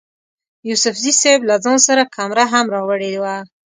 یوسفزي صیب له ځان سره کمره هم راوړې وه.